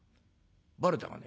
バレたかね？